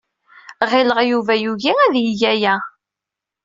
Ɣileɣ Yuba yugi ad yeg aya.